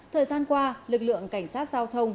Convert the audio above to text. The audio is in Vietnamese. thời gian qua lực lượng cảnh sát giao thông